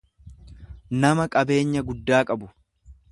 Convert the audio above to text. nama, qabeenya guddaa qabu.